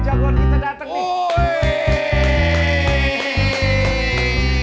jangan kita dateng nih